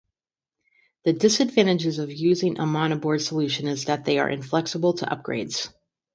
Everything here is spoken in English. The disadvantages of using a monoboard solution is that they are inflexible to upgrades.